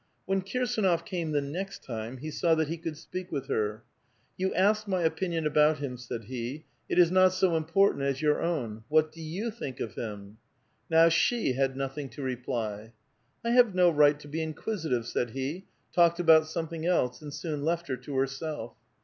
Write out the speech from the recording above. When Kirsdnof came the next time, he saw that he could speak with her. " You asked my opinion about him," said he ; "it is not so important as your own. What do you think of him?" Now she had nothing to reply. " I have no right to be inquisitive," said he ; talked about something else, and soon left her to herself.